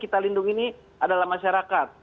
kita lindungi ini adalah masyarakat